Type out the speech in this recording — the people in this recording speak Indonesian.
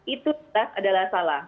itu adalah salah